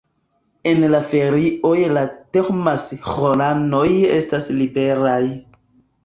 En la ferioj la Thomas-ĥoranoj estas liberaj.